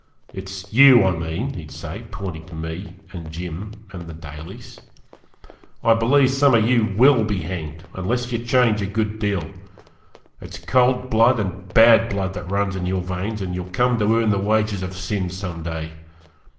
It's you, I mean,' he'd say, pointing to me and Jim and the Dalys; 'I believe some of you WILL be hanged unless you change a good deal. It's cold blood and bad blood that runs in your veins, and you'll come to earn the wages of sin some day.